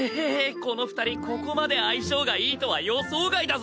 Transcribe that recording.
この二人ここまで相性がいいとは予想外だぞ！